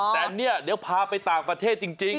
แต่เนี่ยเดี๋ยวพาไปต่างประเทศจริง